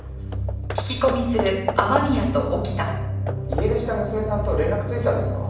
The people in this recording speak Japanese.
家出した娘さんと連絡ついたんですか？